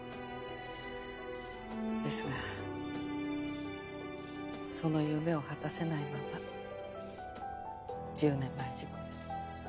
ですがその夢を果たせないまま１０年前事故で。